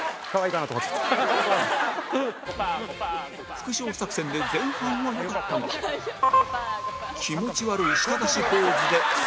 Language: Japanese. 復唱作戦で前半は良かったが気持ち悪い舌出しポーズで△